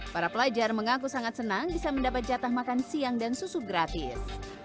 para pelajar mengaku sangat senang bisa mendapat jatah makan siang dan susu gratis